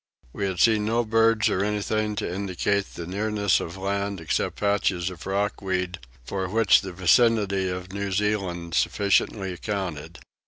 We had seen no birds or anything to indicate the nearness of land except patches of rock weed, for which the vicinity of New Zealand sufficiently accounted.